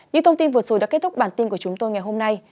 những thông tin vừa rồi đã kết thúc bản tin của chúng tôi ngày hôm nay